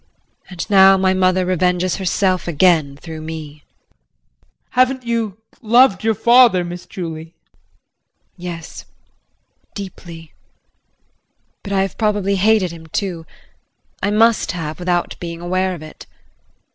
JULIE. And now my mother revenges herself again through me. JEAN. Haven't you loved your father, Miss Julie? JULIE. Yes, deeply. But I have probably hated him too, I must have without being aware of it.